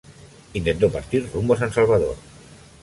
Intentó partir rumbo a San Salvador.